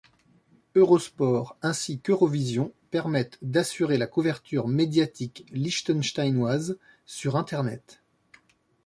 Eurosport ainsi qu'Eurovision permettent d'assurer la couverture médiatique liechtensteinoise sur internet.